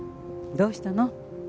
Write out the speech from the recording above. どうしたの？